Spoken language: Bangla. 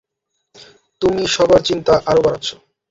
তুমি সবার চিন্তা আরও বাড়াচ্ছ।